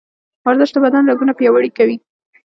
ورزش د بدن رګونه پیاوړي کوي.